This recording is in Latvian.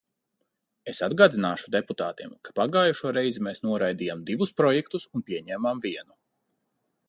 Es atgādināšu deputātiem, ka pagājušo reizi mēs noraidījām divus projektus un pieņēmām vienu.